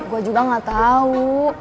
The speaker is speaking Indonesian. gue juga gak tau